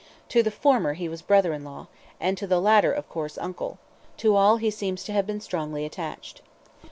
To the former he was brother in law, and to the latter, of course, uncle; to all he seems to have been strongly attached.